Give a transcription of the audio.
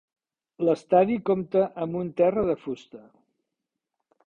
L'estadi compta amb un terra de fusta.